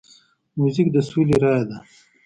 موزیک د سولې رایه ده.